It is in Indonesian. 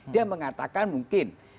dia mengatakan mungkin